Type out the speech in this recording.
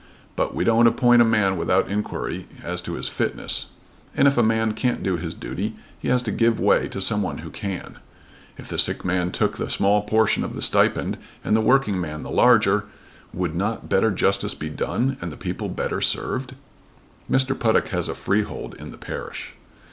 But we don't appoint a man without inquiry as to his fitness, and if a man can't do his duty he has to give way to some one who can. If the sick gentleman took the small portion of the stipend and the working man the larger, would not better justice be done, and the people better served?" "Mr. Puttock has a freehold in the parish."